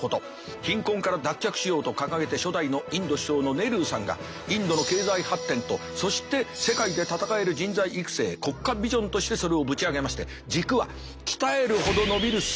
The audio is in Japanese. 貧困から脱却しようと掲げて初代のインド首相のネルーさんがインドの経済発展とそして世界で戦える人材育成国家ビジョンとしてそれをぶち上げまして軸は鍛えるほど伸びる数学だ